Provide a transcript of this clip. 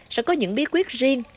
sẽ có những bí quyết riêng